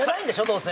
どうせ。